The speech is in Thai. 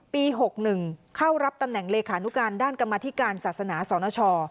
ปี๖๑เข้ารับตำแหน่งเลขานุการด้านกรรมธิการศาสนาสนช